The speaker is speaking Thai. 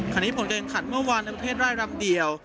ขณะนี้ผลกันยังขัดเมื่อวานในประเทศร่ายรำเดี่ยว